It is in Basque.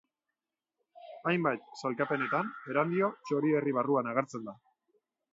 Hainbat sailkapenetan Erandio Txorierri barruan agertzen da.